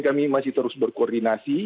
kami masih terus berkoordinasi